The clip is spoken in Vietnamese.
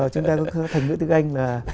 chúng ta có thành ngữ tiếng anh là